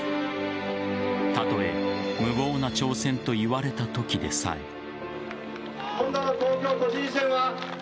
たとえ無謀な挑戦と言われたときでさえ。